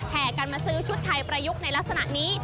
กันมาซื้อชุดไทยประยุกต์ในลักษณะนี้